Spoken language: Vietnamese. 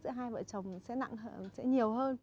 giữa hai vợ chồng sẽ nặng nhiều hơn